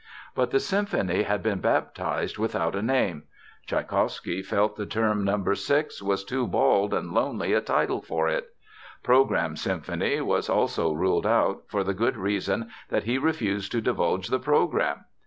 But the symphony had been baptized without a name. Tschaikowsky felt the term "No. 6" was too bald and lonely a title for it. "Programme Symphony" was also ruled out, for the good reason that he refused to divulge the "program."